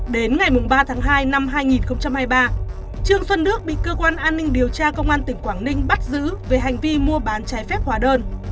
đến ngày ba tháng hai năm hai nghìn hai mươi ba trương xuân đức bị cơ quan an ninh điều tra công an tỉnh quảng ninh bắt giữ về hành vi mua bán trái phép hóa đơn